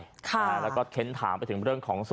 แล้วก็เค้นถามไปถึงเรื่องของ